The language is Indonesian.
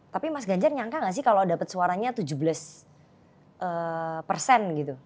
tapi mas ganjar nyangka gak sih kalau dapat suaranya tujuh belas persen gitu